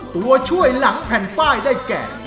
ตัวช่วยหลังแผ่นป้ายได้แก่